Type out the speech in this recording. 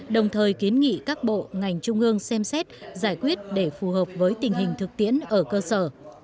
đồng thời kiến nghị các bộ ngành trung ương xem xét giải quyết để phù hợp với tình hình thực tiễn ở cơ sở